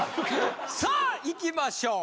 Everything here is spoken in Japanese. さあいきましょう！